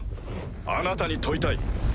あなたに問いたい。